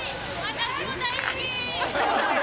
私も大好き。